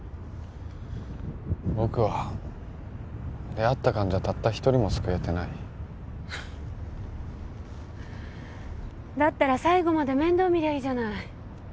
僕は出会った患者たった一人も救えてないだったら最後まで面倒みればいいじゃない